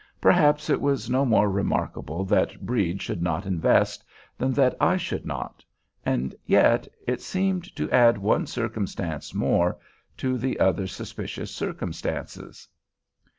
Perhaps it was no more remarkable that Brede should not invest than that I should not—and yet, it seemed to add one circumstance more to the other suspicious circumstances.